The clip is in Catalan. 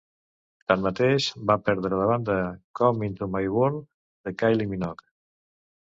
Tanmateix, va perdre davant de "Come into My World", de Kylie Minogue.